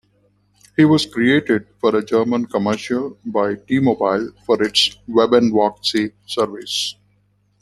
He was created for a German commercial by T-Mobile for its web'n'walk service.